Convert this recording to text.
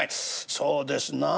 「そうですなあ。